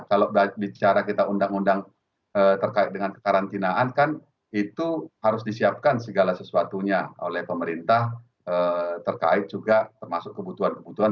kalau bicara kita undang undang terkait dengan kekarantinaan kan itu harus disiapkan segala sesuatunya oleh pemerintah terkait juga termasuk kebutuhan kebutuhan